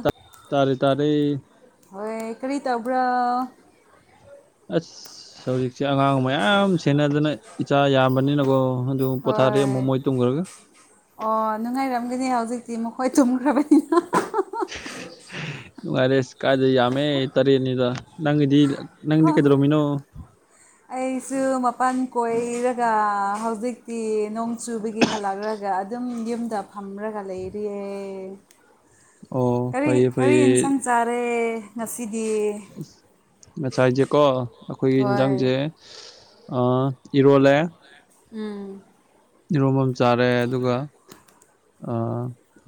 ꯇꯥ ꯇꯥꯔꯦ ꯇꯥꯔꯦ ꯍꯣꯏ ꯀꯔꯤ ꯇꯧꯕ꯭ꯔꯣ ꯑꯁ ꯁꯣꯔꯤ ꯁꯦ ꯑꯉꯥꯡ ꯃꯌꯥꯝ ꯁꯦꯟꯅꯗꯅ ꯏꯆꯥ ꯌꯥꯝꯕꯅꯤꯅꯀꯣ ꯑꯗꯨ ꯄꯣꯊꯥꯔꯦ ꯑꯃꯨꯛ ꯍꯣꯏ ꯃꯣꯏ ꯇꯨꯝꯒ꯭ꯔꯒ ꯑꯣ ꯅꯪ ꯑꯗꯨꯅꯦ ꯍꯧꯖꯤꯛꯇꯤ ꯃꯈꯣꯏ ꯇꯨꯝꯈ꯭ꯔꯕꯅꯤꯅ ꯀꯥꯏꯗꯩꯩ ꯌꯥꯝꯃꯦ ꯇꯔꯦꯠꯅꯤꯗ ꯅꯪꯒꯤꯗꯤ ꯅꯪꯗꯤ ꯀꯩꯗꯧꯔꯝꯃꯤꯅꯣ ꯑꯩꯁꯨ ꯃꯄꯥꯟ ꯀꯣꯏꯔꯒ ꯍꯧꯖꯤꯛꯇꯤ ꯅꯣꯡ ꯆꯨꯕꯒꯤ ꯍꯜꯂꯛꯔꯒ ꯑꯗꯨꯝ ꯌꯨꯝꯗ ꯐꯝꯔꯒ ꯂꯩꯔꯤꯌꯦ ꯑꯣ ꯀꯔꯤ ꯐꯩꯌꯦ ꯀꯔꯤ ꯐꯩꯌꯦ ꯏꯟꯁꯥꯡ ꯆꯥꯔꯦ ꯉꯁꯤꯗꯤ? ꯑꯁ ꯉꯁꯥꯏꯁꯦꯀꯣ ꯑꯩꯈꯣꯏꯒꯤ ꯍꯣꯏ ꯏꯟꯖꯥꯡꯁꯦ ꯑꯥ ꯏꯔꯣꯜꯂꯦ ꯎꯝ ꯏꯔꯣꯝꯕ ꯑꯃ ꯆꯥꯔꯦ ꯑꯗꯨꯒ ꯑꯥ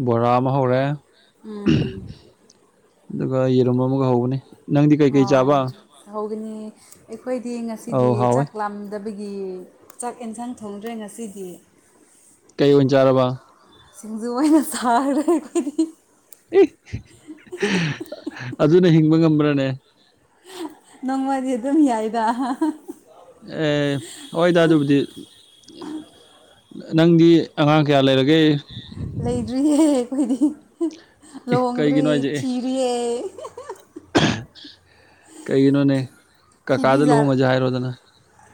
ꯕꯣꯔꯥ ꯑꯃ ꯍꯧꯔꯦ ꯎꯝ ꯑꯗꯨꯒ ꯌꯦꯔꯨꯝ ꯑꯃꯒ ꯍꯧꯕꯅꯤ ꯅꯪꯗꯤ ꯀꯩꯀꯩ ꯑꯣ ꯆꯥꯕ? ꯍꯧꯒꯅꯤ ꯑꯩꯈꯣꯏꯗꯤ ꯑꯧ ꯉꯁꯤꯗꯤ ꯍꯥꯎꯋꯦ ꯆꯥꯛ ꯂꯥꯝꯗꯕꯒꯤ ꯒꯤ ꯆꯥꯛ ꯏꯟꯁꯥꯡ ꯊꯣꯡꯗ꯭ꯔꯦ ꯉꯁꯤꯗꯤ ꯀꯩ ꯑꯣꯏꯅ ꯆꯥꯔꯕ? ꯁꯤꯡꯖꯨ ꯑꯣꯏꯅ ꯆꯥꯔꯦ ꯑꯩꯈꯣꯏꯗꯤ ꯑꯦ ꯑꯗꯨꯅ ꯍꯤꯡꯕ ꯉꯝꯕ꯭ꯔꯅꯦ? ꯅꯣꯡꯃꯗꯤ ꯑꯗꯨꯝ ꯌꯥꯏꯗ ꯑꯦ ꯍꯣꯏꯗ ꯑꯗꯨꯕꯨꯗꯤ ꯅꯪꯗꯤ ꯑꯉꯥꯡ ꯀꯌꯥ ꯂꯩꯔꯒꯦ? ꯂꯩꯗ꯭ꯔꯤꯌꯦ ꯑꯩꯈꯣꯏꯗꯤ ꯑꯦ ꯂꯨꯍꯣꯡꯗ꯭ꯔꯤ ꯀꯩꯒꯤꯅꯣ ꯍꯥꯏꯁꯦ ꯑꯦ ꯊꯤꯔꯤꯌꯦ [unintelligible] ꯀꯩꯒꯤꯅꯣꯅꯦ ꯀꯥꯀꯥꯗ ꯂꯨꯍꯣꯡꯉꯁꯤ ꯍꯥꯏꯔꯣꯗꯅ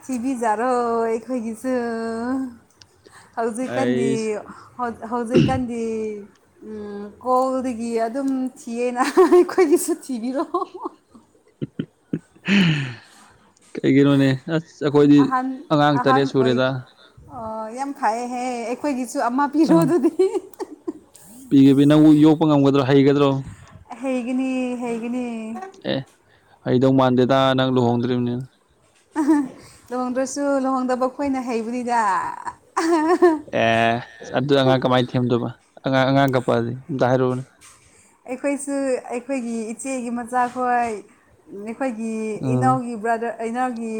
ꯊꯤꯕꯤꯖꯥꯔꯣꯏ ꯑꯩꯈꯣꯏꯒꯤꯁꯨ ꯍꯧꯖꯤꯛꯀꯥꯟꯗꯤ ꯑꯩꯁ ꯍꯧꯖꯤꯛꯀꯥꯟꯗꯤ ꯎꯝ ꯀꯣꯜꯗꯒꯤ ꯑꯗꯨꯝ ꯊꯤꯌꯦꯅ ꯑꯩꯈꯣꯏꯒꯤꯁꯨ ꯊꯤꯕꯤꯔꯣ [unintelligible] ꯀꯩꯒꯤꯅꯣꯅꯦ ꯑꯁ ꯑꯩꯈꯣꯏꯗꯤ ꯑꯍꯟ ꯑꯉꯥꯡ ꯇꯔꯦꯠ ꯁꯨꯔꯦꯗ ꯈꯏꯌꯦꯍꯦ ꯑꯩꯈꯣꯏꯒꯤꯁꯨ ꯑꯃ ꯄꯤꯔꯣ ꯑꯗꯨꯗꯤ ꯄꯤꯒꯕꯤ ꯅꯪꯕꯨ ꯌꯣꯛꯄ ꯉꯝꯒꯗ꯭ꯔꯣ ꯍꯩꯒꯗ꯭ꯔꯣ ꯍꯩꯒꯅꯤ ꯍꯩꯒꯅꯤ ꯑꯦ ꯍꯩꯗꯧ ꯃꯥꯟꯗꯦꯗ ꯅꯪ ꯂꯨꯍꯣꯡꯗ꯭ꯔꯤꯕꯅꯤꯅ ꯑꯍꯥ ꯂꯨꯍꯣꯡꯗ꯭ꯔꯁꯨ ꯂꯨꯍꯣꯡꯗꯕ ꯑꯩꯈꯣꯏꯅ ꯍꯩꯕꯅꯤꯗ ꯑꯦ ꯑꯗꯨ ꯑꯉꯥꯡ ꯀꯃꯥꯏꯅ ꯊꯦꯝꯗꯨꯏꯕ ꯑꯉꯥꯡ ꯑꯉꯥꯡ ꯀꯄꯛꯑꯗꯤ ꯑꯝꯇ ꯍꯥꯏꯔꯛꯎꯅꯦ ꯑꯩꯈꯣꯏꯁꯨ ꯑꯩꯈꯣꯏꯒꯤ ꯏꯆꯦꯒꯤ ꯃꯆꯥꯈꯣꯏ ꯑꯩꯈꯣꯏꯒꯤ ꯎꯝ ꯏꯅꯥꯎꯒꯤ ꯕ꯭ꯔꯗꯔ ꯀꯩꯅꯣꯒꯤ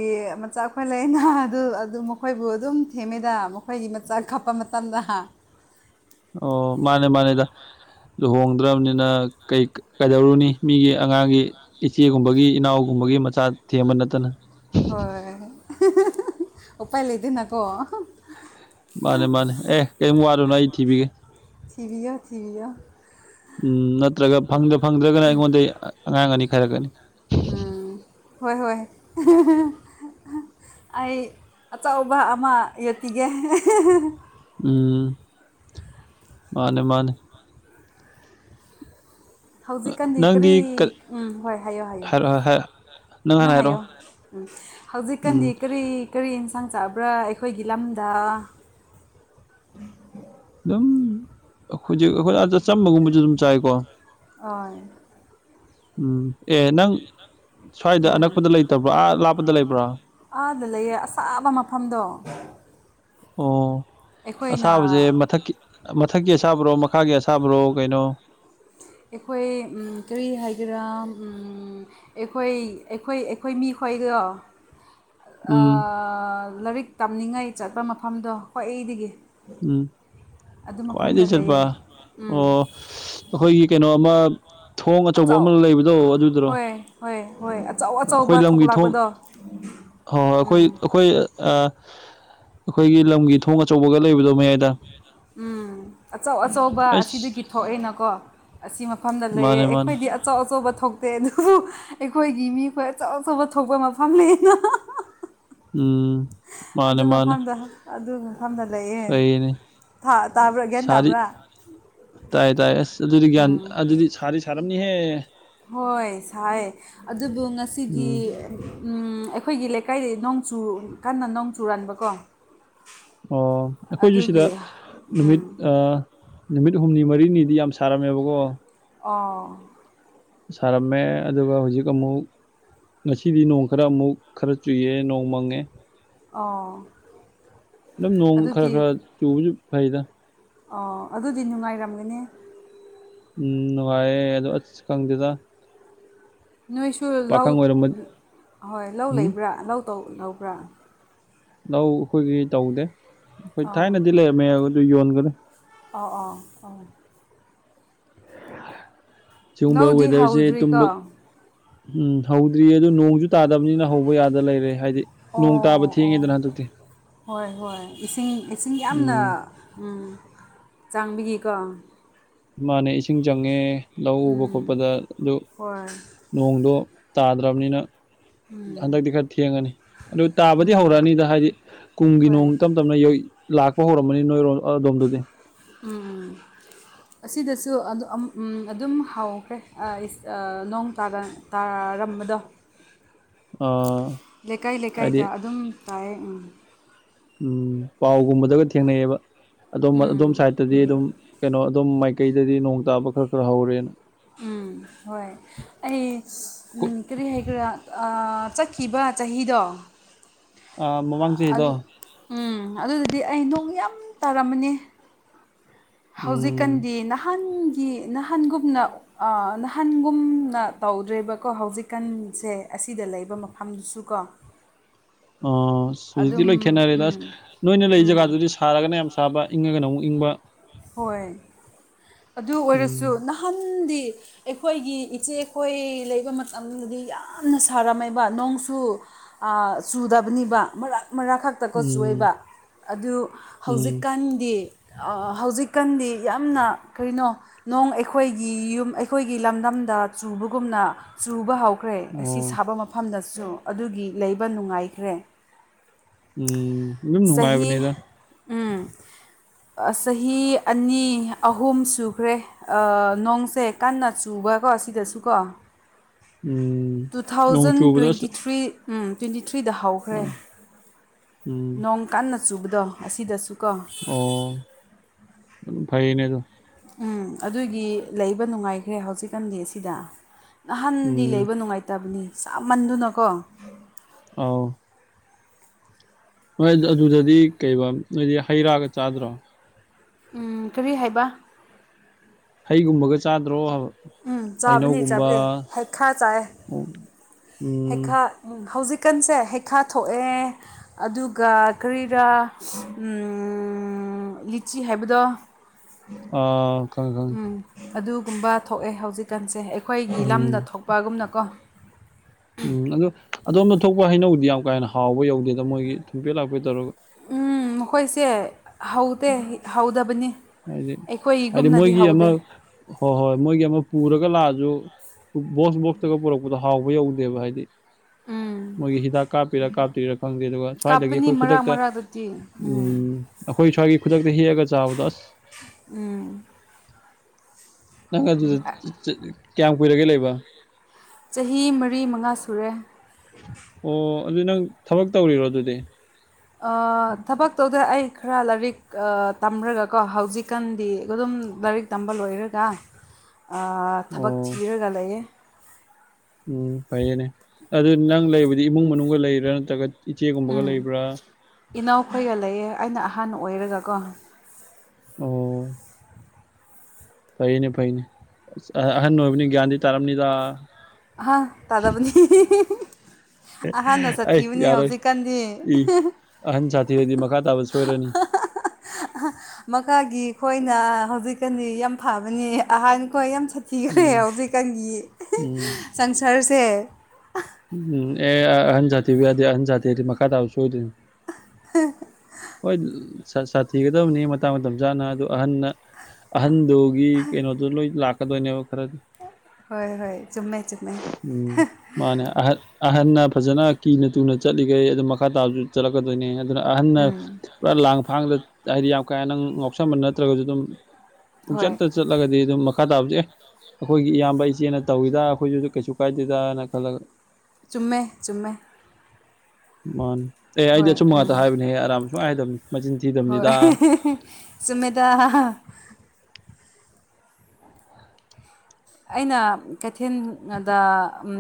ꯃꯆꯥꯈꯣꯏ ꯂꯩꯅꯥ ꯑꯗꯨ ꯑꯗꯨꯝ ꯃꯈꯣꯏꯕꯨ ꯑꯗꯨꯝ ꯊꯦꯡꯃꯤꯗ ꯃꯈꯣꯏꯒꯤ ꯃꯆꯥꯥ ꯀꯞ ꯄ ꯃꯇꯝꯗ ꯑꯣ ꯃꯥꯅꯦ ꯃꯥꯅꯦꯗ ꯂꯨꯍꯣꯡ ꯗꯔꯕꯅꯤꯅ ꯀꯩ ꯀꯩꯗꯧꯔꯨꯅꯤ ꯃꯤꯒꯤ ꯑꯉꯥꯡꯒꯤ ꯏꯆꯦꯒꯨꯝꯕꯒꯤ ꯏꯅꯥꯎꯒꯨꯝꯕꯒꯤ ꯃꯆꯥ ꯊꯦꯝꯕ ꯅꯠꯇꯅ ꯍꯣꯏ ꯎꯄꯥꯏ ꯂꯩꯇꯦꯅꯀꯣ ꯃꯥꯅꯦ ꯃꯥꯅꯦ ꯑꯦ ꯀꯩꯝ ꯋꯥꯔꯨꯅꯣ ꯑꯩ ꯊꯤꯕꯤꯒꯦ ꯊꯤꯕꯤꯌꯣ ꯊꯤꯕꯤꯌꯣ ꯎꯝ ꯅꯠꯇ꯭ꯔꯒ ꯐꯪꯗ ꯐꯪꯗ꯭ꯔꯒꯅ ꯑꯩꯉꯣꯟꯗꯩ ꯑꯉꯥꯡ ꯑꯅꯤ ꯈꯥꯢꯔꯛꯀꯅꯤ ꯎꯝ ꯍꯣꯏ ꯍꯣꯏ ꯑꯩ ꯑꯆꯧꯕ ꯑꯃ ꯌꯣꯛꯄꯤꯒꯦ ꯎꯝ ꯃꯥꯅꯦ ꯃꯥꯅꯦ ꯍꯧꯖꯤꯛꯀꯥꯟꯗꯤ ꯅꯪꯗꯤ ꯀꯔꯤ ꯎꯝ ꯍꯣꯏ ꯍꯥꯏꯌꯣ ꯍꯥꯏꯌꯣ ꯍꯥꯏꯔꯛꯑꯣ ꯍꯥꯏꯔꯛꯑꯣ ꯅꯪ ꯍꯥꯟꯅ ꯍꯥꯏꯌꯣ ꯍꯥꯏꯔꯛꯑꯣ ꯎꯝ ꯎꯝ ꯍꯧꯖꯤꯛꯀꯥꯟꯗꯤ ꯀꯔꯤ ꯀꯔꯤ ꯍꯤꯡꯖꯥꯡ ꯆꯥꯕ꯭ꯔꯥ ꯑꯩꯈꯣꯏꯒꯤ ꯂꯝꯗ ꯑꯗꯨꯝ ꯍꯧꯖꯤꯛ ꯑꯩꯈꯣꯏ ꯆꯝꯕꯒꯨꯝꯕꯖꯨ ꯑꯗꯨꯝ ꯆꯥꯏꯀꯣ ꯑꯣꯏ ꯎꯝ ꯑꯦ ꯅꯪ ꯁ꯭ꯋꯥꯏꯗ ꯎꯝ ꯑꯅꯛꯄꯗ ꯂꯩꯇꯕ꯭ꯔꯣ ꯑꯥ ꯂꯥꯞꯄꯗ ꯂꯩꯕ꯭ꯔꯣ ꯑꯥꯗ ꯂꯩꯌꯦ ꯑꯁꯥꯕ ꯃꯐꯝꯗꯣ ꯑꯣ ꯑꯩꯈꯣꯏꯅ ꯑꯁꯥꯕꯁꯦ ꯃꯊꯛꯀꯤ ꯃꯊꯛꯀꯤ ꯑꯁꯥꯕꯔꯣ ꯃꯈꯥꯒꯤ ꯑꯁꯥꯕꯔꯣ ꯀꯩꯅꯣ ꯑꯩꯈꯣꯏ ꯎꯝ ꯀꯔꯤ ꯍꯥꯏꯒꯦꯔꯥ ꯎꯝ ꯑꯩꯈꯣꯏ ꯑꯩꯈꯣꯏ ꯑꯩꯈꯣꯏ ꯃꯤ ꯈꯣꯏꯗꯣ [inaudible] ꯎꯝ ꯑꯥ ꯂꯥꯏꯔꯤꯛ ꯇꯝꯅꯤꯡꯉꯥꯏ ꯆꯠꯄ ꯃꯐꯝꯗꯣ ꯈ꯭ꯋꯥꯏꯗꯒꯤ ꯎꯝ ꯑꯗꯨ ꯃꯐꯝꯗ ꯈ꯭ꯋꯥꯏꯗꯒꯤ ꯆꯠꯄ ꯂꯩꯌꯦ ꯎꯝ ꯑꯣ ꯑꯩꯈꯣꯏꯒꯤ ꯀꯩꯅꯣꯝ ꯑꯃ ꯊꯣꯡ ꯑꯆꯧꯕ ꯑꯆꯧ ꯑꯃ ꯂꯩꯕꯗꯣ ꯑꯗꯨꯗꯨꯔꯣ ꯍꯣꯏ ꯍꯣꯏ ꯍꯣꯏ ꯑꯆꯧ ꯑꯩꯈꯣꯏ ꯑꯆꯧꯕ ꯂꯝꯒꯤ ꯊꯣꯡ ꯊꯣꯛꯂꯛꯄꯗꯣ ꯍꯣꯏ ꯑꯩꯈꯣꯏ ꯎꯝ ꯑꯩꯈꯣꯏ ꯑ ꯑꯩꯈꯣꯏꯒꯤ ꯂꯝꯒꯤ ꯊꯣꯡ ꯑꯆꯧꯕꯒ ꯂꯩꯕꯗꯣ ꯃꯌꯥꯏꯗ ꯎꯝ ꯑꯆꯧ ꯑꯆꯧꯕ ꯑꯁꯤꯗꯒꯤ ꯑꯩꯁ ꯊꯣꯛꯑꯦꯅꯀꯣ ꯑꯁꯤ ꯃꯐꯝꯗ ꯂꯩꯌꯦ ꯃꯥꯅꯦ ꯃꯥꯅꯦ ꯑꯩꯈꯣꯏꯗꯤ ꯑꯆꯧ ꯑꯆꯧꯕ ꯊꯣꯛꯇꯦ ꯑꯗꯨꯕꯨ ꯑꯩꯈꯣꯏꯒꯤ ꯃꯤꯈꯣꯏ ꯑꯆꯧ ꯑꯆꯧꯕ ꯊꯣꯛꯄ ꯃꯐꯝ ꯂꯩꯌꯦꯅ ꯑꯍꯥꯍꯥꯍꯥ ꯎꯝ ꯑꯗꯨ ꯃꯥꯅꯦ ꯃꯥꯅꯦ ꯃꯐꯝꯗ ꯑꯗꯨ ꯐꯝꯗ ꯂꯩꯌꯦ ꯐꯩꯅꯦ ꯇꯥ ꯇꯥꯕ꯭ꯔꯥ ꯒ꯭ꯌꯥꯟ ꯁꯥꯗꯤ ꯇꯥꯕ꯭ꯔꯥ ꯇꯥꯏ ꯇꯥꯏ ꯑꯁ ꯑꯗꯨꯗꯤ ꯒ꯭ꯌꯥꯟ ꯑꯗꯨꯗꯤ ꯁꯥꯗꯤ ꯁꯥꯔꯝꯅꯤꯍꯦ ꯍꯣꯏ ꯁꯥꯏꯌꯦ ꯑꯗꯨꯕꯨ ꯉꯁꯤꯗꯤ ꯎꯝ ꯎꯝ ꯑꯩꯈꯣꯏꯒꯤ ꯂꯩꯀꯥꯏꯗꯤ ꯅꯣꯡꯆꯨ ꯀꯟꯅ ꯅꯣꯡ ꯆꯨꯨꯔꯟꯕꯀꯣ ꯑꯣ ꯑꯩꯈꯣꯏꯁꯨ ꯁꯤꯗ ꯅꯨꯃꯤꯠ ꯎꯝ ꯑ ꯅꯨꯃꯤꯠ ꯍꯨꯝꯅꯤ ꯃꯔꯤꯅꯤꯗꯤ ꯌꯥꯝ ꯁꯥꯔꯝꯃꯦꯕꯀꯣ ꯑꯣ ꯁꯥꯔꯝꯃꯦ ꯑꯗꯨꯒ ꯍꯧꯖꯤꯛ ꯑꯃꯨꯛ ꯉꯁꯤꯗꯤ ꯅꯣꯡ ꯈꯔ ꯑꯃꯨꯛ ꯈꯔ ꯆꯨꯏꯌꯦ ꯅꯣꯡ ꯃꯪꯉꯦ ꯑꯣ ꯑꯗꯨꯝ ꯅꯣꯡ ꯈꯔ ꯑꯗꯨꯗꯤ ꯈꯔ ꯆꯨꯕꯁꯨ ꯐꯩꯗ ꯑꯣ ꯑꯗꯨꯗꯤ ꯅꯨꯡꯉꯥꯏꯔꯝꯒꯅꯤ ꯎꯝ ꯅꯨꯡꯉꯥꯏꯌꯦ ꯑꯗꯣ ꯑꯁ ꯈꯪꯗꯦꯗ ꯅꯣꯏꯁꯨ ꯂꯧ ꯄꯥꯈꯪ ꯑꯣꯏꯔꯝꯃꯗꯤ ꯍꯣꯏ ꯂꯧ ꯎꯝ ꯂꯩꯕ꯭ꯔꯥ ꯂꯧ ꯇꯧꯕ꯭ꯔꯥ ꯂꯧ ꯑꯩꯈꯣꯏꯒꯤ ꯇꯧꯗꯦ ꯑꯩꯈꯣꯏ ꯑꯧ ꯊꯥꯏꯅꯗꯤ ꯂꯩꯔꯝꯃꯦ ꯑꯗꯨ ꯌꯣꯟꯒꯔꯦ ꯑꯧ ꯑꯧ ꯑꯧ ꯁꯤꯒꯨꯝꯕ ꯂꯧꯗꯤ ꯋꯦꯗꯔꯁꯦ ꯇꯨꯝꯕ ꯍꯧꯗ꯭ꯔꯤꯀꯣ ꯎꯝ ꯍꯧꯗ꯭ꯔꯤꯌꯦ ꯑꯗꯨ ꯅꯣꯡꯁꯨꯨ ꯇꯥꯗꯕꯅꯤꯅ ꯍꯧꯕ ꯌꯥꯗ ꯂꯩꯔꯦ ꯍꯥꯏꯗꯤ ꯑꯣ ꯅꯣꯡ ꯇꯥꯕ ꯑꯣ ꯊꯦꯡꯉꯦꯗꯅ ꯍꯟꯗꯛꯇꯤ ꯍꯣꯏ ꯍꯣꯏ ꯏꯁꯤꯡ ꯏꯁꯤꯡ ꯌꯥꯝꯅ ꯎꯝ ꯎꯝ ꯆꯪꯕꯤꯒꯤꯀꯣ ꯃꯥꯅꯦ ꯏꯁꯤꯡ ꯆꯪꯉꯦ ꯂꯧ ꯎꯕ ꯎꯝ ꯈꯣꯠꯄꯗ ꯑꯗꯨ ꯍꯣꯏ ꯅꯣꯡꯗꯣ ꯇꯥꯗ꯭ꯔꯕꯅꯤꯅ ꯎꯝ ꯍꯟꯗꯛꯇꯤ ꯈꯔ ꯊꯦꯡꯉꯅꯤ ꯑꯗꯨ ꯇꯥꯕꯗꯤ ꯎꯝ ꯍꯧꯔꯛꯑꯅꯤꯗ ꯍꯥꯏꯗꯤ ꯀꯨꯝꯒꯤ ꯅꯣꯡ ꯍꯣꯏ ꯇꯞ ꯇꯞꯅ ꯌꯩ ꯂꯥꯛꯄ ꯍꯧꯔꯝꯃꯅꯤ ꯅꯣꯏꯔꯣꯝ ꯑꯗꯣꯝꯗꯗꯤ ꯎꯝ ꯑꯁꯤꯗꯁꯨ [unintelligible] ꯎꯝ ꯑꯗꯨꯝ ꯍꯧꯎꯈ꯭ꯔꯦ ꯑꯥꯁ ꯑꯥ ꯅꯣꯡ ꯇꯗ ꯇꯥ ꯇꯥꯔꯝꯕꯗꯣ ꯑ ꯂꯩꯀꯥꯏ ꯍꯥꯏꯗꯤ ꯂꯩꯀꯥꯏꯗ ꯑꯗꯨꯝ ꯇꯥꯏ ꯎꯝ ꯎꯝ ꯄꯥꯎꯒꯨꯝꯕꯗꯒ ꯊꯦꯡꯅꯩꯌꯦꯕ ꯑꯗꯣꯝ ꯑꯗꯣꯝ ꯎꯝ ꯁꯥꯏꯗꯇꯗꯤ ꯑꯗꯨꯝ ꯀꯩꯅꯣ ꯑꯗꯣꯝ ꯃꯥꯏꯀꯩꯗꯗꯤ ꯅꯣꯡ ꯇꯥꯕ ꯈꯔ ꯈꯔ ꯍꯧꯔꯦꯅ ꯎꯝ ꯍꯣꯏ ꯑꯩ ꯎꯝ ꯀꯔꯤ ꯍꯥꯏꯒꯦꯔꯥ ꯑꯥ ꯆꯠꯈꯤꯕ ꯆꯍꯤꯗꯣ ꯑꯥ ꯃꯃꯥꯡ ꯆꯍꯤꯗꯣ ꯑꯗꯨ ꯎꯝ ꯑꯗꯨꯗꯗꯤ ꯑꯩ ꯅꯣꯡ ꯌꯥꯝ ꯇꯥꯔꯝꯃꯅꯤ ꯎꯝ ꯍꯧꯖꯤꯛꯀꯥꯟꯗꯤ ꯅꯍꯥꯟ ꯀꯤ ꯅꯍꯥꯟꯒꯨꯝꯅ ꯑꯥ ꯅꯍꯟꯒꯨꯝꯅ ꯇꯧꯗ꯭ꯔꯦꯕꯀꯣ ꯍꯧꯖꯤꯛꯀꯥꯟꯖꯦ ꯑꯁꯤꯗ ꯂꯩꯕ ꯃꯐꯝꯗꯨꯁꯨ ꯀꯣ [inaudible] ꯑꯣ ꯍꯧꯖꯤꯛꯇꯤ ꯑꯗꯨꯝ ꯂꯣꯏ ꯈꯦꯠꯅꯔꯦꯗ ꯎꯝ ꯑꯁ ꯅꯣꯏꯅ ꯂꯩ ꯎꯝ ꯖꯒꯥꯗꯨꯗꯤ ꯁꯥꯔꯒꯅ ꯌꯥꯝ ꯆꯥꯕ ꯏꯪꯉꯒꯅ ꯑꯃꯨꯛ ꯏꯪꯕ ꯍꯣꯏ ꯑꯗꯨ ꯎꯝ ꯑꯣꯏꯔꯁꯨ ꯅꯍꯥꯟꯗꯤ ꯑꯩꯈꯣꯏꯒꯤ ꯏꯆꯦꯈꯣꯏ ꯂꯩꯕ ꯃꯇꯝꯗꯗꯤ ꯌꯥꯝꯅ ꯁꯥꯔꯝꯃꯦꯕ ꯅꯣꯡꯁꯨ ꯑꯥ ꯆꯨꯗꯕꯅꯤꯕ ꯑꯃꯔꯛ ꯑꯃꯔꯛ ꯈꯛꯇꯀꯣ ꯎꯝ ꯆꯨꯌꯦꯕ ꯑꯗꯨ ꯎꯝ ꯍꯧꯖꯤꯛꯀꯥꯟꯗꯤ ꯑꯥ ꯍꯧꯖꯤꯛꯀꯥꯟꯗꯤ ꯌꯥꯝꯅ ꯀꯔꯤꯅꯣ ꯅꯣꯡ ꯑꯩꯈꯣꯏꯒꯤ ꯌꯨꯝ ꯑꯩꯈꯣꯏꯒꯤ ꯂꯝꯗꯝꯗ ꯆꯨ ꯒꯨꯝꯅ ꯆꯨꯕ ꯍꯧ ꯈ꯭ꯔꯦ ꯑꯁꯤ ꯑꯣ ꯁꯥꯕ ꯃꯐꯝꯗꯁꯨ ꯑꯗꯨꯒꯤ ꯂꯩꯕ ꯅꯨꯡꯉꯥꯏꯈ꯭ꯔꯦ ꯎꯝ ꯑꯗꯨꯝ ꯆꯍꯤ ꯅꯨꯡꯉꯥꯏꯕꯅꯤꯗ ꯎꯝ ꯆꯍꯤ ꯑꯅꯤ ꯑꯍꯨꯝ ꯁꯨꯈ꯭ꯔꯦ ꯑꯥ ꯅꯣꯡꯁꯦ ꯀꯟꯅ ꯆꯨ ꯎꯕꯦꯀꯣ ꯑꯁꯤꯗꯁꯨꯀꯣ ꯎꯝ ꯇꯨ ꯅꯣꯡ ꯊꯥꯎꯖꯟ ꯆꯨꯕꯗ ꯑꯁ ꯇ꯭ꯋꯦꯟꯇꯤ ꯊ꯭ꯔꯤ ꯎꯝ ꯇ꯭ꯋꯦꯟꯇꯤ ꯊ꯭ꯔꯤꯗ ꯍꯧꯈ꯭ꯔꯦ ꯑꯥ ꯎꯝ ꯅꯣꯡ ꯀꯟꯅ ꯆꯨꯕꯗꯣ ꯑꯁꯤꯗꯁꯨ ꯀꯣ ꯐꯩꯅꯦꯗꯨ ꯎꯝ ꯑꯗꯨꯒꯤ ꯂꯩꯕ ꯅꯨꯡꯉꯥꯏꯈ꯭ꯔꯦ ꯍꯧꯖꯤꯛꯀꯥꯟꯗꯤ ꯑꯁꯤꯗ ꯅꯍꯥꯟꯗꯤ ꯎꯝ ꯂꯩꯕ ꯅꯨꯡꯉꯥꯏꯇꯕꯅꯤ ꯁꯥꯃꯟꯗꯨꯅꯀꯣ ꯑꯥꯎ ꯍꯣꯏ ꯑꯗꯨꯗꯗꯤ ꯀꯩꯕ ꯅꯣꯏꯗꯤ ꯍꯩꯔꯥꯒ ꯆꯥꯗ꯭ꯔꯣ ꯎꯝ ꯀꯔꯤ ꯍꯥꯏꯕ ꯍꯩꯒꯨꯝꯕꯒ ꯆꯥꯗ꯭ꯔꯣꯍꯕ ꯎꯝ ꯆꯥꯕꯅꯦ ꯆꯥꯕꯅꯦ ꯍꯩꯈꯥ ꯆꯥꯏ ꯑꯣ ꯎꯝ ꯍꯩꯈꯥ ꯍꯧꯖꯤꯛ ꯀꯟꯁꯦ ꯍꯩꯈꯥꯊꯣꯛꯑꯦ ꯑꯗꯨꯒ ꯀꯔꯤꯔꯥ ꯎꯝ ꯎꯝ ꯂꯤꯆꯤ ꯍꯥꯏꯕꯗꯣ ꯑꯥ ꯈꯪꯉꯦ ꯈꯪꯉꯦ ꯎꯝ ꯑꯗꯨ ꯨꯒꯨꯝꯕ ꯊꯣꯛꯑꯦ ꯍꯧꯖꯤꯛꯀꯥꯟꯁꯦ ꯑꯩꯈꯣꯏꯒꯤ ꯂꯝꯗ ꯎꯝ ꯊꯣꯛꯄꯒꯨꯝꯅꯀꯣ ꯎꯝ ꯑꯗꯨ ꯑꯗꯣꯝꯗ ꯊꯣꯛꯄ ꯍꯩꯅꯧꯗꯤ ꯌꯥꯝ ꯀꯥ ꯍꯟꯅ ꯍꯥꯎꯕ ꯌꯧꯗꯦꯗ ꯃꯣꯏꯒꯤ ꯊꯨꯝꯄꯦꯠ ꯂꯥꯛꯄꯦꯠ ꯇꯧꯔꯒ ꯎꯝ ꯃꯈꯣꯏꯁꯦ ꯍꯧꯗꯦ ꯍꯧꯗꯕꯅꯤ ꯍꯥꯏꯗꯤ ꯍꯥꯏꯗꯤ ꯑꯩꯈꯣꯏꯒꯨꯝꯅꯗꯤ ꯃꯣꯏꯒꯤ ꯑꯃ ꯍꯧꯗꯦ ꯍꯣꯏ ꯍꯣꯏ ꯃꯣꯏꯒꯤ ꯑꯃ ꯄꯨꯔꯒ ꯂꯥꯛꯑꯁꯨ ꯕꯣꯛꯁ ꯕꯣꯛꯁꯇꯒ ꯄꯨꯔꯛꯄꯗꯣ ꯍꯥꯎꯕ ꯌꯧꯗꯦꯕ ꯍꯥꯏꯗꯤ ꯎꯝ ꯃꯣꯏꯒꯤ ꯍꯤꯗꯥꯛ ꯀꯥꯞꯄꯤꯔꯥ ꯀꯥꯞꯇ꯭ꯔꯤꯔꯥ ꯈꯪꯗꯦ ꯑꯗꯨꯒ ꯁ꯭ꯋꯥꯏꯗꯒꯤ ꯀꯥꯞꯄꯅꯤ ꯑꯩꯈꯣꯏ ꯃꯔꯛ ꯈꯨꯗꯛꯇ ꯃꯔꯛꯇꯗꯤ ꯎꯝ ꯑꯩꯈꯣꯏ ꯁ꯭ꯋꯥꯏꯒꯤ ꯈꯨꯗꯛꯇ ꯍꯦꯛꯑꯒ ꯆꯥꯕꯗꯣ ꯑꯁ ꯎꯝ ꯅꯪ ꯑꯗꯨꯗ ꯆꯠ ꯀꯌꯥꯝ ꯀꯨꯏꯔꯒꯦ ꯂꯩꯕ ꯆꯍꯤ ꯃꯔꯤ ꯃꯉꯥ ꯁꯨꯔꯦ ꯑꯣ ꯑꯗꯨ ꯅꯪ ꯊꯕꯛ ꯇꯧꯔꯤꯔꯣ ꯑꯗꯨꯗꯤ ꯑꯥ ꯊꯕꯛ ꯇꯧꯗꯦ ꯑꯩ ꯈꯔ ꯂꯥꯏꯔꯤꯛ ꯑꯥ ꯇꯝꯔꯒꯀꯣ ꯍꯧꯖꯤꯛꯀꯥꯟꯗꯤ ꯑꯗꯨꯝ ꯎꯝ ꯂꯥꯏꯔꯤꯛ ꯇꯝꯕ ꯂꯣꯏꯔꯒ ꯑꯥ ꯊꯕꯛ ꯑꯣ ꯊꯤꯔꯒ ꯂꯩꯌꯦ ꯎꯝ ꯐꯩꯌꯦꯅꯦ ꯑꯗꯨ ꯅꯪ ꯂꯩꯕꯗꯤ ꯏꯃꯨꯡ ꯃꯅꯨꯡꯒ ꯂꯩꯔꯤꯔꯥ ꯅꯠꯇ꯭ꯔꯒ ꯏꯆꯦꯒꯨꯝꯕꯒ ꯎꯝ ꯂꯩꯕ꯭ꯔꯥ ꯏꯅꯥꯎꯈꯣꯏꯒ ꯂꯩꯌꯦ ꯑꯩꯅ ꯑꯍꯟ ꯑꯣꯏꯔꯒꯀꯣ ꯑꯣ ꯐꯩꯅꯦ ꯐꯩꯅꯦ ꯑꯁ ꯑꯥ ꯑꯍꯟ ꯑꯣꯏꯕꯅꯤ ꯒ꯭ꯌꯥꯟꯗꯤ ꯇꯥꯔꯝꯅꯤꯗ ꯑꯍꯥ ꯇꯥꯗꯕꯅꯤ ꯍꯤꯍꯤꯍꯤꯍꯤ ꯑꯩ ꯌꯥꯔꯣꯏ ꯍꯧꯖꯤꯛꯀꯥꯟꯗꯤ ꯏ ꯑꯍꯟ ꯁꯥꯊꯤꯔꯗꯤ ꯃꯈꯥ ꯇꯥꯕ ꯁꯣꯏꯔꯅꯤ ꯑꯍꯥ ꯃꯈꯥꯒꯤ ꯈꯣꯏ ꯑꯩꯅ ꯍꯧꯖꯤꯛꯀꯥꯟꯗꯤ ꯌꯥꯝ ꯐꯕꯅꯦ ꯑꯍꯟꯈꯣꯏ ꯌꯥꯝ ꯁꯥꯊꯤꯈ꯭ꯔꯦ ꯎꯝ ꯍꯧꯖꯤꯛꯀꯥꯟꯒꯤ ꯎꯝ [unintelligible] ꯁꯪꯁꯥꯔꯁꯦ ꯎꯝ ꯑꯦ ꯑꯍꯟ ꯁꯥꯊꯤꯕ ꯌꯥꯗꯦ ꯑꯍꯟ ꯁꯥꯊꯤꯔꯗꯤ ꯃꯈꯥ ꯇꯥꯕ ꯁꯣꯢꯗꯨꯢꯅꯤ ꯍꯣꯏꯗ [unintelligible] ꯁꯥ ꯁꯥꯊꯤꯒꯗꯕꯅꯤ ꯃꯇꯥꯡ ꯃꯇꯝ ꯆꯥꯅ ꯑꯗꯨ ꯑꯍꯟꯅ ꯑꯍꯟꯗꯨꯒꯤ ꯀꯩꯅꯣꯗꯨ ꯂꯣꯏ ꯂꯥꯛ ꯀꯗꯣꯏꯅꯦꯕ ꯈꯔꯗꯤ ꯍꯣꯏ ꯍꯣꯏ ꯆꯨꯝꯃꯦ ꯆꯨꯝꯃꯦ ꯎꯝ ꯃꯥꯅꯦ ꯑꯥ ꯑꯍꯟꯅ ꯐꯖꯅ ꯀꯤꯅ ꯇꯨꯅ ꯆꯠꯂꯤꯒꯩ ꯑꯗꯨꯝ ꯃꯈꯥ ꯇꯥꯕꯖꯨ ꯆꯠꯂꯛꯀꯗꯣꯏꯅꯤ ꯑꯥ ꯑꯗꯨꯅ ꯑꯍꯟꯅ ꯄꯨꯔꯥ ꯂꯥꯡ ꯐꯥꯡꯗ ꯍꯥꯏꯗꯤ ꯌꯥꯝ ꯀꯥꯍꯦꯟꯅ ꯉꯥꯎꯁꯟꯕ ꯅꯠꯇ꯭ꯔꯒꯁꯨ ꯑꯗꯨꯝ ꯍꯣꯏ ꯄꯨꯡꯆꯠꯇ ꯆꯠꯂꯒꯗꯤ ꯑꯗꯨꯝ ꯃꯥ ꯃꯈꯥ ꯇꯥꯕꯖꯦ ꯑꯦ ꯑꯩꯈꯣꯏꯒꯤ ꯏꯌꯥꯝꯕ ꯏꯆꯦꯅ ꯇꯧꯏꯗ ꯑꯩꯈꯣꯏꯁꯨ ꯀꯩꯁꯨ ꯀꯥꯏꯗꯦꯗ ꯅ ꯈꯜꯂꯒ ꯆꯨꯝꯃꯦ ꯆꯨꯝꯃꯦ ꯃꯥꯅꯤ ꯑꯦ ꯑꯩꯗꯤ ꯍꯣꯏ ꯑꯆꯨꯝꯕ ꯎꯝ ꯉꯥꯛꯇ ꯍꯥꯏꯕꯅꯦꯍꯦ ꯑꯔꯥꯟꯕ ꯁꯨꯡꯍꯥꯏ ꯍꯥꯏꯗꯕꯅꯤ ꯃꯆꯤꯟ ꯍꯣꯏ ꯊꯤꯗꯕꯅꯤꯗ ꯑꯥ ꯑꯩꯅ ꯀꯩꯊꯦꯜ ꯉꯥꯗ ꯎꯝ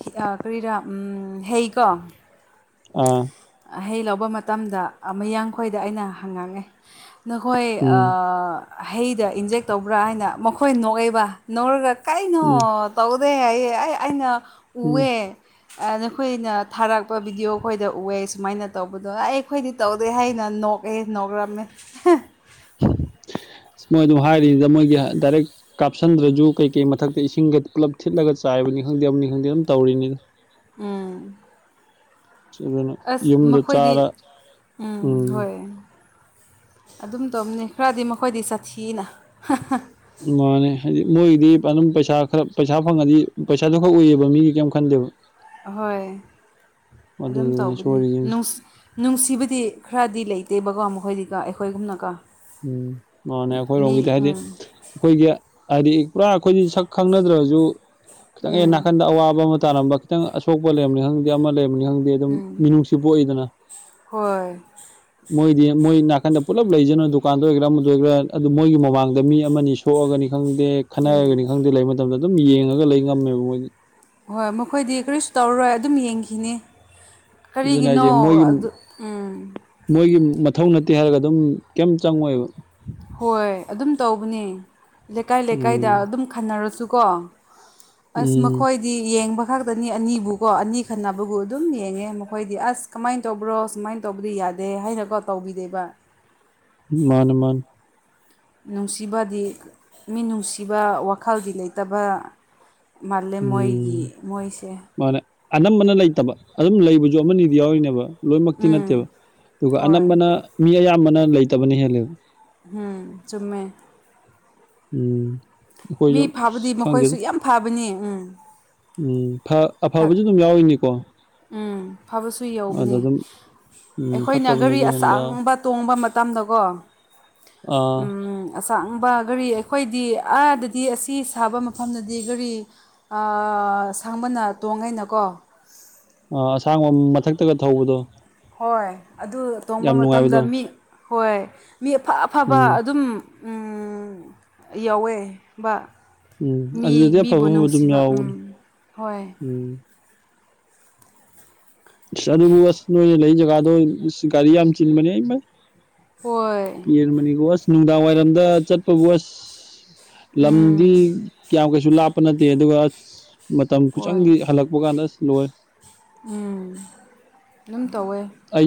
ꯍꯤ ꯀꯔꯤꯔꯥ ꯎꯝ ꯍꯦ ꯀꯣ ꯑꯥ ꯍꯩ ꯂꯧꯕ ꯃꯇꯝꯗ ꯃꯌꯥꯡꯈꯣꯏꯗ ꯑꯩꯅ ꯍꯪꯉꯥꯡꯉꯦ ꯅꯈꯣꯏ ꯎꯝ ꯑꯥ ꯍꯩꯗ ꯏꯟꯖꯦꯛ ꯇꯧꯕ꯭ꯔꯥ ꯍꯥꯏꯅ ꯃꯈꯣꯏ ꯅꯣꯛꯑꯦꯕ ꯅꯣꯛꯔꯒ ꯀꯩꯅꯣ ꯎꯝ ꯇꯧ ꯋꯦ ꯍꯥꯢꯌꯦ ꯑꯩ ꯑꯩꯅ ꯎꯝ ꯎꯑꯦ ꯑꯥ ꯅꯈꯣꯏꯅ ꯊꯥꯔꯛꯄ ꯚꯤꯗꯤꯑꯣ ꯈꯣꯏꯗ ꯎꯋꯦꯁ ꯁꯨꯃꯥꯏꯅ ꯇꯧꯕꯗꯣ ꯑꯩ ꯑꯩꯈꯣꯏꯗꯤ ꯇꯧꯗꯦ ꯍꯥꯏꯅ ꯅꯣꯛꯑꯦ ꯅꯣꯛꯔꯝꯃꯦ [unintelligible] [inaudible] ꯑꯁ ꯃꯣꯏ ꯑꯗꯨ ꯍꯥꯏꯔꯤꯅꯤꯗ ꯃꯣꯏꯒꯤ ꯗꯥꯏꯔꯦꯛ ꯀꯥꯞꯁꯤꯟꯗ꯭ꯔꯖꯨ ꯀꯩꯀꯩ ꯃꯊꯛꯇ ꯏꯁꯤꯡꯒ ꯄꯨꯂꯞ ꯊꯤꯠꯂꯒ ꯆꯥꯏ ꯆꯥꯢꯕꯅꯤ ꯈꯪꯗꯦ ꯑꯃꯅꯤ ꯈꯪꯗꯦ ꯑꯗꯨꯝ ꯇꯧꯔꯤꯅꯤꯗ ꯎꯝ ꯑꯗꯨꯅ ꯑꯁ ꯌꯨꯝꯗ ꯃꯈꯣꯏꯗꯤ ꯆꯥꯔ ꯎꯝ ꯍꯣꯏ ꯑꯗꯨꯝ ꯇꯧꯕꯅꯦ ꯈꯔꯗꯤ ꯃꯈꯣꯏꯗꯤ ꯆꯥꯊꯤꯌꯦꯅ ꯍꯥꯍꯥ ꯃꯥꯅꯦ ꯍꯥꯏꯗꯤ ꯃꯣꯏꯒꯤꯗꯤ ꯑꯗꯨꯝ ꯄꯩꯁꯥ ꯈꯔ ꯄꯩꯁꯥ ꯐꯪꯉꯗꯤ ꯄꯩꯁꯥꯗꯨ ꯈꯛ ꯎꯏꯑꯕ ꯃꯤꯒꯤ ꯀꯩꯝ ꯈꯟꯗꯦꯕ ꯑꯍꯣꯏ ꯑꯗꯨꯝ ꯑꯗꯨꯗꯨꯅꯦ ꯇꯧꯕꯅꯦ ꯁꯣꯏꯔꯤꯁꯤꯡꯁꯦ ꯅꯨꯡ ꯅꯨꯡꯁꯤꯕꯗꯤ ꯈꯔꯗꯤ ꯂꯩꯇꯦꯕ ꯑꯗꯨꯒ ꯃꯈꯣꯏꯗꯤ ꯀꯣ ꯑꯩꯈꯣꯏꯒꯨꯝꯅꯀꯣ ꯎꯝ ꯃꯥꯅꯦ ꯃꯤ ꯑꯩꯈꯣꯏꯔꯣꯝꯒꯤꯗꯤ ꯍꯥꯏꯗꯤ ꯎꯝ ꯑꯩꯈꯣꯏꯒꯤ ꯍꯥꯏꯗꯤ ꯄꯨꯔꯥ ꯑꯩꯈꯣꯏꯗꯤ ꯁꯛ ꯈꯪꯅꯗ꯭ꯔꯖꯩ ꯈꯤꯇꯪ ꯍꯦꯛ ꯎꯝ ꯅꯥꯀꯟꯗ ꯑꯋꯥꯕ ꯑꯃ ꯇꯥꯔꯝꯕ ꯈꯤꯇꯪ ꯑꯁꯣꯛꯄ ꯂꯩꯔꯝꯕꯅꯤ ꯈꯪꯗꯦ ꯑꯃ ꯂꯩ ꯈꯪꯗꯦ ꯑꯗꯨꯝ ꯎꯝ ꯃꯤꯅꯨꯡꯁꯤ ꯄꯣꯛꯏꯗꯅ ꯍꯣꯏ ꯃꯣꯏꯗꯤ ꯃꯣꯏ ꯅꯥꯀꯟꯗ ꯄꯨꯂꯞ ꯂꯩꯖꯅꯨ ꯗꯨꯀꯥꯟꯗ ꯑꯣꯏꯒꯦꯔ ꯑꯃꯗ ꯑꯣꯏꯒꯦꯔ ꯑꯗꯨ ꯃꯣꯏꯒꯤ ꯃꯃꯥꯡꯗ ꯃꯤ ꯑꯃꯅꯤ ꯁꯣꯛꯑꯒꯅꯤ ꯈꯪꯗꯦ ꯈꯟꯅꯔꯒꯅꯤ ꯈꯪꯗꯦ ꯂꯩꯕ ꯃꯇꯝꯗ ꯑꯗꯨꯝ ꯌꯦꯡꯉꯒ ꯂꯩ ꯉꯝꯃꯦꯕ ꯃꯣꯏꯗꯤ ꯍꯣꯏ ꯃꯈꯣꯏꯗꯤ ꯀꯔꯤꯁꯨ ꯇꯧꯔꯔꯣꯏ ꯑꯗꯨꯝ ꯌꯦꯡꯈꯤꯅꯤ ꯑꯗꯨꯅ ꯀꯔꯤꯒꯤꯅꯣ ꯑꯩꯁꯦ ꯃꯣꯏꯒꯤ ꯑꯗꯨ ꯎꯝ ꯃꯣꯏꯒꯤ ꯃꯊꯧ ꯅꯠꯇꯦ ꯍꯥꯏꯔꯒ ꯑꯗꯨꯝ ꯀꯩꯝ ꯆꯪꯉꯣꯏꯕ ꯍꯣꯏ ꯑꯗꯨꯝ ꯇꯧꯕꯅꯦ ꯂꯩꯀꯥꯏ ꯂꯩꯀꯥꯏꯗ ꯎꯝ ꯑꯗꯨꯝ ꯈꯟꯅꯔꯁꯨꯀꯣ ꯑꯁ ꯎꯝ ꯃꯈꯣꯏꯗꯤ ꯌꯦꯡꯕ ꯈꯛꯇꯅꯤ ꯑꯅꯤꯕꯨꯀꯣ ꯑꯅꯤ ꯈꯟꯅꯕꯕꯨ ꯑꯗꯨꯝ ꯌꯦꯡꯉꯦ ꯃꯈꯣꯏꯗꯤ ꯑꯁ ꯀꯃꯥꯏꯅ ꯇꯧꯕ꯭ꯔꯣ ꯁꯨꯃꯥꯏꯅ ꯇꯧꯕꯗꯤ ꯌꯥꯏ ꯌꯥꯗꯦ ꯍꯥꯏꯅꯀꯣ ꯇꯧꯒꯤꯗꯦꯕ ꯃꯥꯅꯤ ꯃꯥꯅꯤ ꯅꯨꯡꯁꯤꯕꯗꯤ ꯃꯤ ꯅꯨꯡꯁꯤꯕ ꯋꯥꯈꯜꯗꯤ ꯂꯩꯇꯕ ꯃꯥꯜꯂꯦ ꯎꯝ ꯃꯣꯏꯒꯤ ꯃꯣꯏꯁꯦ ꯃꯥꯅꯦ ꯑꯅꯝꯕꯅ ꯂꯩꯇꯕ ꯑꯗꯨꯝ ꯂꯩꯕꯖꯨ ꯑꯃꯅꯤꯗꯤ ꯌꯥꯎꯔꯤꯅꯦꯕ ꯂꯣꯏꯅꯃꯛꯇꯤ ꯅꯠꯇꯦꯕ ꯎꯝ ꯑꯗꯨꯒ ꯍꯣꯏ ꯑꯅꯝꯕꯅ ꯃꯤ ꯑꯌꯥꯝꯕꯅ ꯂꯩꯇꯕꯅ ꯍꯦꯜꯂꯦꯕ ꯍꯨꯝ ꯆꯨꯝꯃꯦ ꯎꯝ ꯃꯤ ꯑꯩꯈꯣꯏꯁꯨ ꯐꯕꯗꯤ ꯑꯁ ꯃꯈꯣꯏꯁꯨ ꯈꯪꯗꯦꯗ ꯌꯥꯝ ꯐꯕꯅꯤ ꯎꯝ ꯎꯝ ꯐ ꯑꯐꯕꯁꯨ ꯑꯗꯨꯝ ꯌꯥꯎꯔꯤꯅꯤꯀꯣ ꯎꯝ ꯐꯕꯁꯨ ꯑꯗ ꯌꯧꯕꯅꯤ ꯑꯗꯨꯝ ꯎꯝ ꯑꯩꯈꯣꯏꯅ ꯒꯥꯔꯤ ꯐꯠꯇꯕꯅꯁꯨ ꯍꯦꯟꯕ ꯑꯆꯥꯡꯕ ꯇꯣꯡꯕ ꯃꯇꯝꯗꯀꯣ ꯑꯥ ꯇꯥꯡꯕ ꯒꯥꯔꯤ ꯑꯩꯈꯣꯏꯗꯤ ꯑꯥꯗꯗꯤ ꯑꯁꯤ ꯁꯥꯕ ꯃꯐꯝꯗꯗꯤ ꯒꯥꯔꯤ ꯑ ꯑ ꯁꯥꯡꯕꯅ ꯇꯣꯡꯉꯦꯅꯀꯣ ꯑ ꯑꯁꯥꯡꯕꯝ ꯃꯊꯛꯇꯒ ꯊꯧꯕꯗꯣ ꯍꯣꯏ ꯑꯗꯨ ꯇꯣꯡꯕ ꯌꯥꯝ ꯃꯇꯝꯗ ꯅꯨꯡꯉꯥꯏꯕꯗꯣ ꯃꯤ ꯍꯣꯏ ꯃꯤ ꯑꯐ ꯑꯐꯕ ꯎꯝ ꯑꯗꯨꯝ ꯎꯝ ꯌꯥꯎꯋꯦ ꯕ ꯎꯝ ꯃꯤ ꯑꯗꯨꯗꯗꯤ ꯑꯐꯕ ꯃꯤꯕꯨ ꯑꯐꯕ ꯑꯗꯨꯝ ꯅꯨꯡꯁꯤꯕ ꯎꯝ ꯌꯥꯎꯕꯅꯤ ꯍꯣꯏ ꯎꯝ ꯏꯁ ꯑꯗꯨꯕꯁ ꯅꯣꯏ ꯂꯩ ꯖꯒꯥꯗꯣ ꯒꯥꯔꯤ ꯌꯥꯝ ꯆꯤꯟꯕꯅꯤ ꯏꯃꯥꯏ ꯍꯣꯏ ꯄꯦꯟꯕꯅꯤꯀꯣ ꯑꯁ ꯅꯨꯡꯗꯥꯡ ꯋꯥꯏꯔꯝꯗ ꯆꯠꯄꯕꯨ ꯑꯁ ꯂꯝꯗꯤ ꯎꯝ ꯀ꯭ꯌꯥꯝ ꯀꯩꯁꯨ ꯂꯥꯞꯄ ꯅꯠꯇꯦ ꯑꯗꯨꯒ ꯃꯇꯝ ꯍꯣꯏ ꯈꯨꯆꯪꯗꯤ ꯍꯜꯂꯛꯄ ꯀꯥꯟꯗ ꯑꯁ ꯂꯣꯏꯔꯦ ꯎꯝ ꯑꯗꯨꯝ ꯇꯧꯋꯦ ꯑꯩ